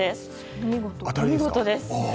お見事です。